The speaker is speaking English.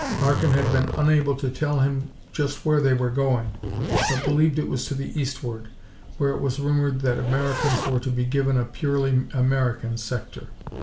Larkin had been unable to tell him just where they were going, but believed it was to the eastward, where it was rumored the Americans were to be given a purely American sector.